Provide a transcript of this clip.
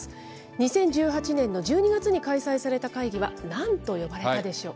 ２０１８年の１２月に開催された会議は、なんと呼ばれたでしょう。